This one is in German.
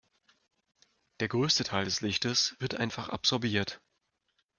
Der größte Teil des Lichtes wird einfach absorbiert.